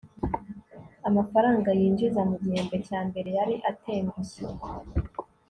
amafaranga yinjiza mu gihembwe cya mbere yari atengushye